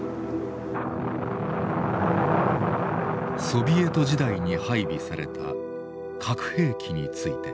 ソビエト時代に配備された核兵器について。